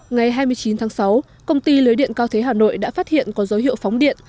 ngày hai mươi chín tháng sáu công ty lưới điện cao thế hà nội đã phát hiện có dấu hiệu phóng điện